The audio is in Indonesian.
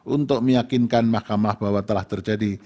untuk meyakinkan mahkamah bahwa telah terjadi